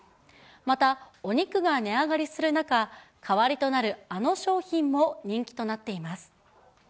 また、お肉が値上がりする中、代わりとなるあの商品も人気となっています。